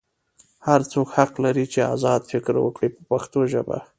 هر څوک حق لري چې ازاد فکر وکړي په پښتو ژبه.